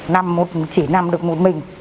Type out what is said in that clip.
nằm một chỉ nằm được một mình